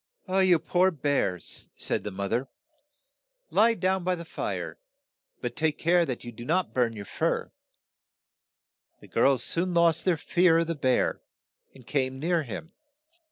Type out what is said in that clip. "You poor bear," said the moth er, "lie down by the fire, but take care that you do not burn your fur." The girls soon lost their fear of the bear, and came near him.